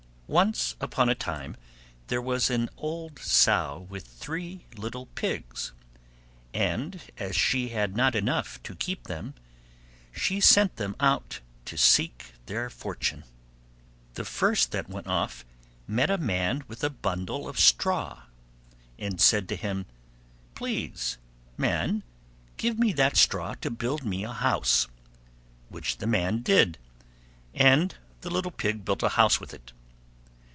Once upon a time there was an old Sow with three little Pigs, and as she had not enough to keep them, she sent them out to seek their fortune. The first that went off met a Man with a bundle of straw, and said to him, "Please, Man, give me that straw to build me a house"; which the Man did, and the little Pig built a house with it.